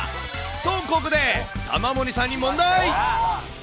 と、ここで、玉森さんに問題。